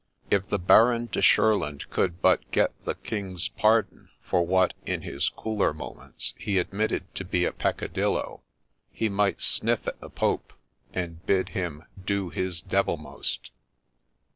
If the Baron de Shurland could but get the King's pardon for what, in his cooler moments, he admitted to be a peccadillo, he might sniff at the Pope, and bid him ' do his devilmost.'